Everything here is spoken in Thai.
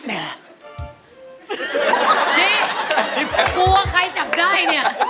นี่กลัวใครจับได้เนี่ย